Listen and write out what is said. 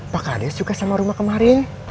pak kades suka sama rumah kemarin